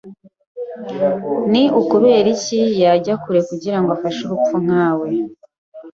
Ni ukubera iki yajya kure kugirango afashe urupfu nkawe?